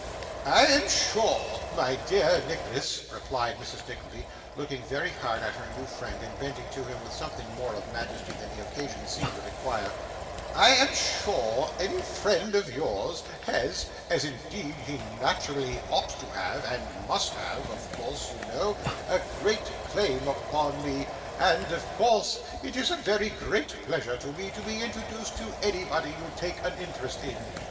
'I am sure, my dear Nicholas,' replied Mrs. Nickleby, looking very hard at her new friend, and bending to him with something more of majesty than the occasion seemed to require: 'I am sure any friend of yours has, as indeed he naturally ought to have, and must have, of course, you know, a great claim upon me, and of course, it is a very great pleasure to me to be introduced to anybody you take an interest in.